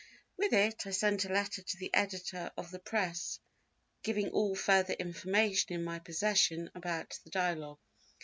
With it I sent a letter to the editor of the Press, giving all further information in my possession about the Dialogue.